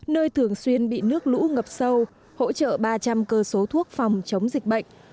nơi thường xuyên bị nước lũ ngập sâu hỗ trợ ba trăm linh cơ số thuốc phòng chống dịch bệnh